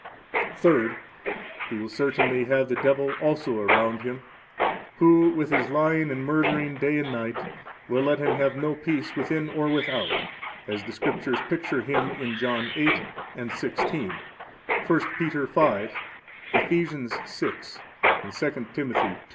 Third, he will certainly have the devil also around him, who with his lying and murdering day and night will let him have no peace, within or without, as the Scriptures picture him in John 8 and 16; 1 Peter 5; Ephesians 6; and 2 Timothy 2.